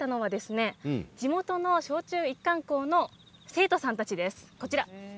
作られたのは地元の小中一貫校の生徒さんたちです。